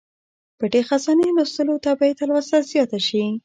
پټې خزانې لوستلو ته به یې تلوسه زیاته شي.